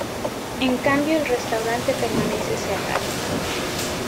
En cambio el restaurante permanece cerrado.